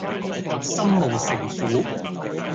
心無城府￼